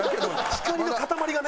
光の塊がね。